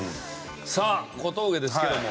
さあ小峠ですけども。